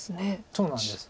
そうなんです。